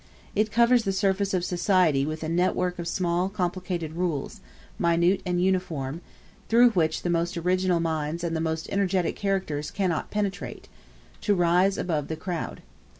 It covers the surface of society with a net work of small complicated rules, minute and uniform, through which the most original minds and the most energetic characters cannot penetrate, to rise above the crowd.